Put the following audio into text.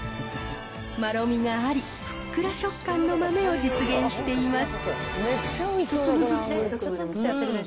まろみがあり、ふっくら食感の豆を実現しています。